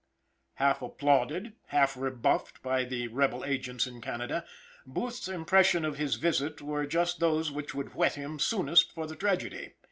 Half applauded, half rebuffed by the rebel agents in Canada, Booth's impressions of his visit were just those which would whet him soonest for the tragedy.